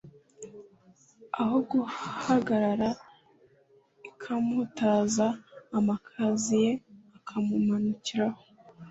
aho guhagarara ikamuhutaza amakaziye akamumanukiraho